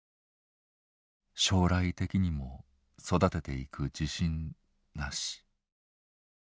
「将来的にも育てていく自信なし」。